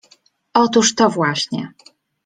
— Otóż to właśnie.